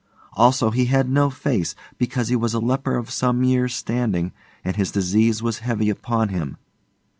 Also he had no face, because he was a leper of some years' standing and his disease was heavy upon him.